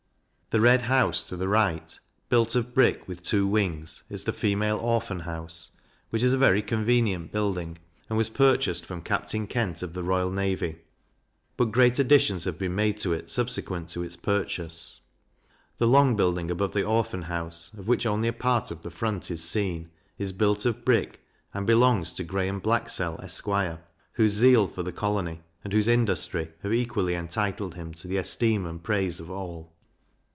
The red house, to the right, built of brick, with two wings, is the Female Orphan house, which is a very convenient building, and was purchased from Captain Kent, of the royal navy, but great additions have been made to it subsequent to its purchase. The long building above the Orphan house, of which only a part of the front is seen, is built of brick, and belongs to Garnham Blaxcell, Esq. whose zeal for the colony, and whose industry, have equally entitled him to the esteem and praise of all.